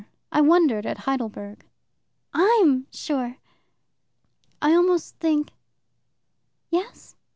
I wondered at Heidelberg." "I'M sure!" "I almost think " "Yes?"